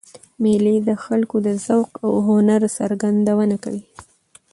مېلې د خلکو د ذوق او هنر څرګندونه کوي.